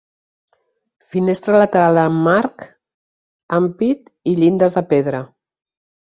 Finestra lateral amb marc, ampit i llindes de pedra.